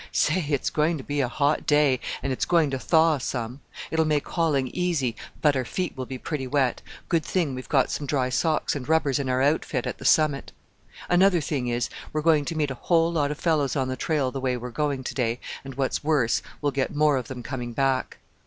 "Say! it's going to be a hot day, and it's going to thaw some. It'll make hauling easy, but our feet will be pretty wet; good thing we've got some dry socks and rubbers in our outfit at the summit. Another thing is, we're going to meet a whole lot of fellows on the trail the way we're going to day; and, what's worse, we'll get more of them coming back."